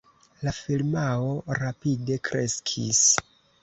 La firmao rapide kreskis.